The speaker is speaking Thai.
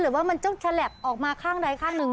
หรือว่ามันจะแชลปออกมาข้างในขั้นหนึ่ง